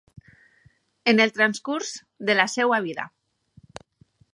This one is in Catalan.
En el transcurs de la seva vida.